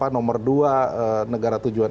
nomor dua negara tujuan